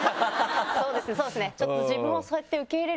そうですねそうですねちょっと。